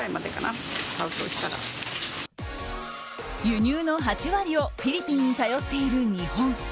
輸入の８割をフィリピンに頼っている日本。